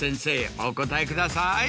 お答えください。